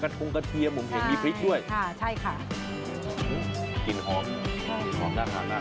กระทุงกระเทียหมูมเห็งมีพริกด้วยกินหอมน่าค่ะครับ